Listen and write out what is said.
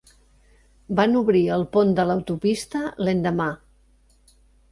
Van obrir el pont de l'autopista l'endemà.